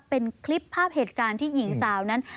เป็นคลิปภาพเหตุการณ์ที่หญิงสาวนั้น